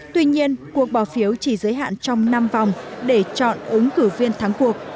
tuy nhiên cuộc bỏ phiếu chỉ giới hạn trong năm vòng để chọn ứng cử viên thắng cuộc